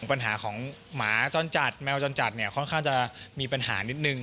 ปัญหาของหมาจ้อนจัดแมวจ้อนจัดค่อนข้างจะมีปัญหานิดหนึ่ง